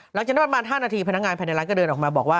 หลังจากนั้นประมาณ๕นาทีพนักงานภายในร้านก็เดินออกมาบอกว่า